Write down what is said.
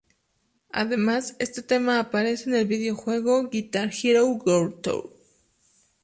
Además, este tema aparece en el videojuego "Guitar Hero World Tour".